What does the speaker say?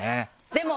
でも。